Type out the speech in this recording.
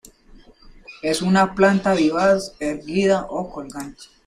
Es una planta vivaz, erguida o colgante.